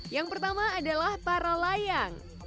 yang pertama adalah para layang